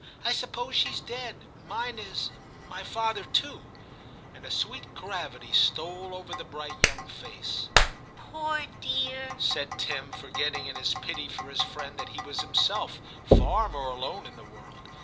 I suppose she's dead ; mine is — my father too '; and a sweet gravity stole over the bright young face. 48 TIM CHAP. ' Poor dear/ said Tim, forgetting in his pity for his friend that he was himself far more alone in the world.